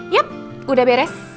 yap udah beres